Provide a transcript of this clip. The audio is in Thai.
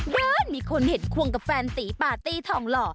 เดินมีคนเห็นควงกับแฟนตีปาร์ตี้ทองหล่อ